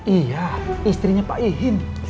iya istrinya pak ihin